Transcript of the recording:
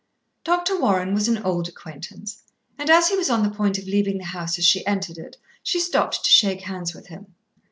Dr. Warren was an old acquaintance, and as he was on the point of leaving the house as she entered it she stopped to shake hands with him.